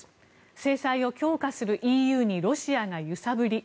制裁を強化するＥＵにロシアが揺さぶり。